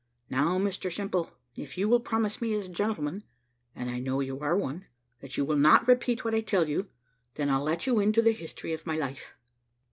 Now, Mr Simple, if you will promise me as a gentleman (and I know you are one), that you will not repeat what I tell you, then I'll let you into the history of my life."